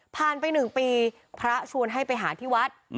ผ่านไปหนึ่งปีพระชวนให้ไปหาที่วัด